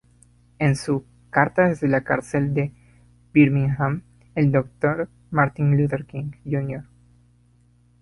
En su "Carta desde la cárcel de Birmingham", el Dr. Martin Luther King Jr.